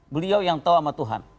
beliau yang tahu sama tuhan